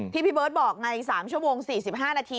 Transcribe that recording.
พี่เบิร์ตบอกไง๓ชั่วโมง๔๕นาที